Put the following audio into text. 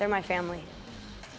mereka adalah keluarga saya